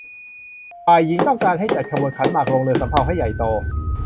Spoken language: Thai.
ฝ่ายหญิงต้องการให้จัดขบวนขันหมากลงเรือสำเภาให้ใหญ่โต